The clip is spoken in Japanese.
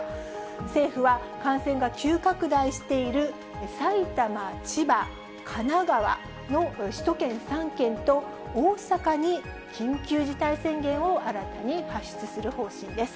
政府は感染が急拡大している埼玉、千葉、神奈川の首都圏３県と、大阪に緊急事態宣言を新たに発出する方針です。